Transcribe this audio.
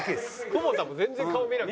久保田も全然顔見なく。